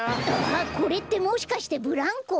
あっこれってもしかしてブランコ？